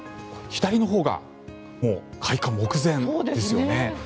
左のほうがもう開花目前ですよね。